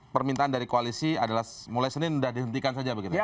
permintaan dari koalisi adalah mulai senin sudah dihentikan saja begitu